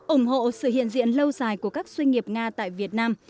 ủng hộ sự hiện diện lâu dài của các doanh nghiệp nga tại việt nam